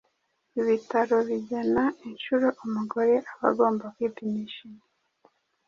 ibitaro bigena inshuro umugore aba agomba kwipimisha inda